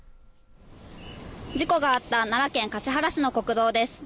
事故があった奈良県橿原市の国道です。